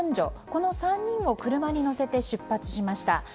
この３人を車に乗せて出発しました。